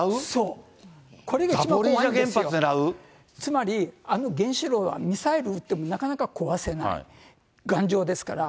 つまり、あの原子炉はミサイル撃ってもなかなか壊せない、頑丈ですから。